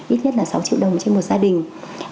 ít nhất là sáu triệu đồng trên một gia đình